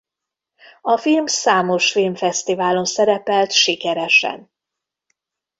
A film számos filmfesztiválon szerepelt sikeresen.